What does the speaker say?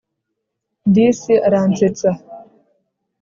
Disi aransetsa